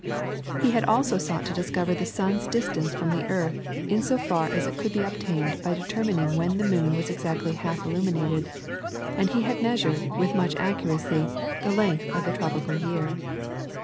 He had also sought to discover the sun's distance from the earth in so far as it could be obtained by determining when the moon was exactly half illuminated, and he had measured, with much accuracy, the length of the tropical year.